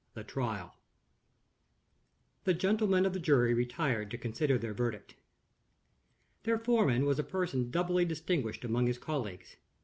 The Trial. THE gentlemen of the jury retired to consider their verdict. Their foreman was a person doubly distinguished among his colleagues.